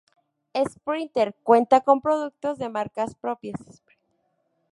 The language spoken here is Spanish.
Sprinter cuenta con productos de marcas propias.